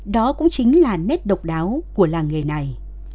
đó cũng chính là nét độc đáo của làng nghề này